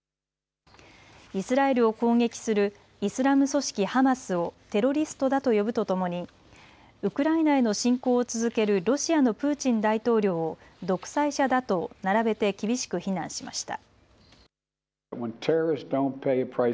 イスラエルを攻撃するイスラム組織ハマスをテロリストだと呼ぶとともにウクライナへの侵攻を続けるロシアのプーチン大統領を独裁者だと並べて厳しく非難しました。